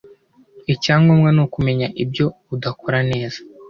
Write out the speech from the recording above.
Icyangombwa ni kumenya ibyo udakora neza